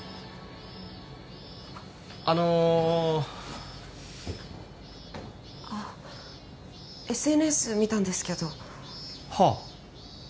あのあっＳＮＳ見たんですけどはあ